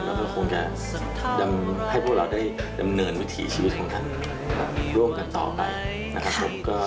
แล้วก็คงจะทำให้พวกเราได้ดำเนินวิถีชีวิตของท่านร่วมกันต่อไปนะครับผม